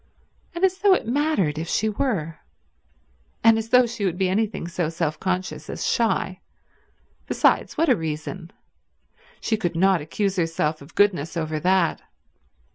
And as though it mattered if she were, and as though she would be anything so self conscious as shy. Besides, what a reason. She could not accuse herself of goodness over that.